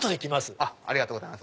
ありがとうございます。